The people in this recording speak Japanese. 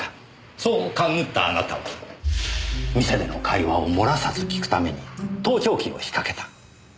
そう勘ぐったあなたは店での会話をもらさず聞くために盗聴器を仕掛けた。